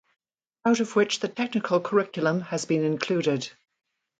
Out of which the technical curriculum has been included.